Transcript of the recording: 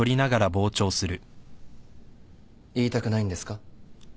言いたくないんですか？